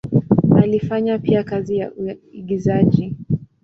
Alifanya pia kazi ya uigizaji.